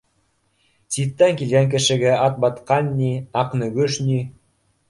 Ситтән килгән кешегә Атбатҡан ни, Аҡнөгөш ни